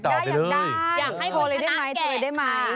อยากให้ผมชนะแกะ